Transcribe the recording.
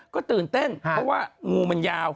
ก็ตื่นเต้นเพราะว่างูมันยาว